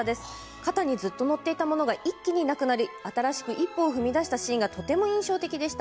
肩にずっと乗っていたものが一気になくなり、新しく一歩を踏み出したシーンがとても印象的でした。